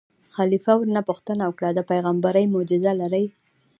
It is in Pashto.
خلیفه ورنه پوښتنه وکړه: د پېغمبرۍ معجزه لرې.